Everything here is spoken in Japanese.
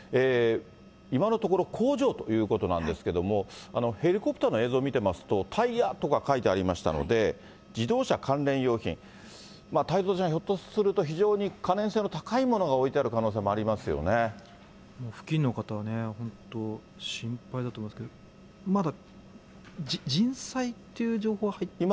今のところ、工場ということなんですけれども、ヘリコプターの映像見てますと、タイヤとか書いてありましたので、自動車関連用品、太蔵ちゃん、ひょっとすると非常に可燃性の高いものが置いてある可能性もあり付近の方はね、本当、心配だと思うけど、まだ人災という情報は入っていない？